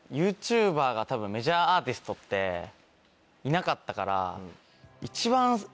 ＹｏｕＴｕｂｅｒが多分メジャーアーティストっていなかったから。